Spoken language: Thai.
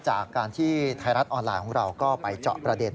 จากการที่ไทยรัฐออนไลน์ของเราก็ไปเจาะประเด็น